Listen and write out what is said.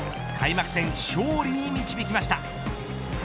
開幕戦勝利に導きました。